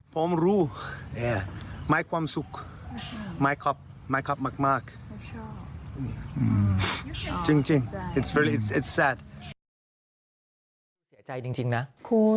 ผมรู้